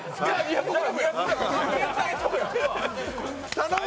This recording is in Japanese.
頼む！